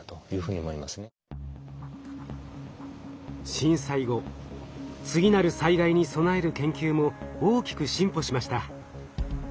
震災後次なる災害に備える研究も大きく進歩しました。